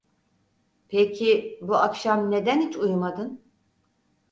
Peki, bu akşam neden hiç uyumadın?